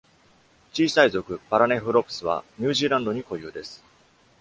小さい属「パラネフロプス」はニュージーランドに固有です。